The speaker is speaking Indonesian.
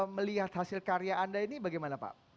melihat hasil karya anda ini bagaimana pak